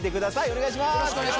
お願いします